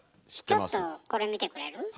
ちょっとこれ見てくれる？